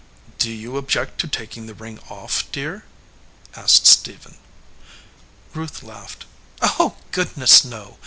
"Do you object to taking the ring off, dear?" asked Stephen. Ruth laughed. "Oh, goodness, no!